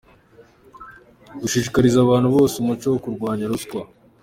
b. Gushishikariza abantu bose umuco wo kurwanya ruswa ;